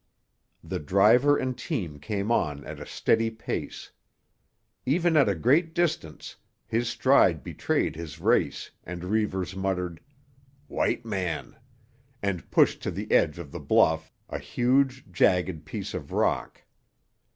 The driver and team came on at a steady pace. Even at a great distance, his stride betrayed his race and Reivers muttered, "White man," and pushed to the edge of the bluff a huge, jagged piece of rock.